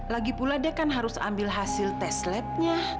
lagi pula dia kan harus ambil hasil tes labnya